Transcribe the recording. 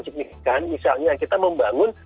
signifikan misalnya kita membangun